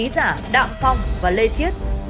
là đạm phong và lê chiết